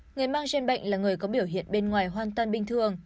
người mang gen bệnh là người có biểu hiện bên ngoài hoàn toàn bình thường